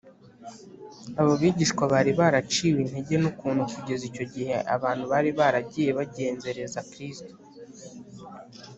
abo bigishwa bari baraciwe intege n’ukuntu kugeza icyo giye abantu bari baragiye bagenzereza kristo